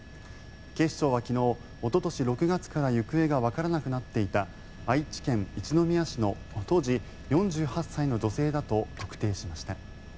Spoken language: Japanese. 警視庁は昨日、おととし６月から行方がわからなくなっていた愛知県一宮市の当時４８歳の女性だと特定しました。